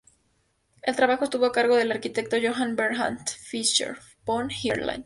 El trabajo estuvo a cargo del arquitecto Johann Bernhard Fischer von Erlach.